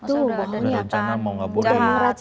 udah ada rencana mau kaburin